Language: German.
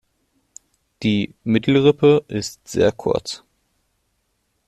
Die Mittelrippe ist sehr kurz.